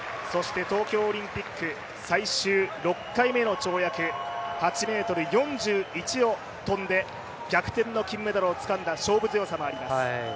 東京オリンピック最終６回目の跳躍、８ｍ４１を跳んで逆転の金メダルをつかんだ勝負強さもあります。